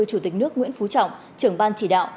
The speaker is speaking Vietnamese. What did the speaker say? chủ tịch nước nguyễn phú trọng trưởng ban chỉ đạo